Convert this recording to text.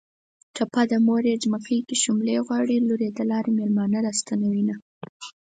ټپه ده.: موریې جمکی کې شوملې غواړي ــــ لوریې د لارې مېلمانه را ستنوینه